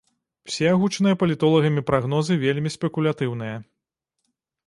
Усе агучаныя палітолагамі прагнозы вельмі спекулятыўныя.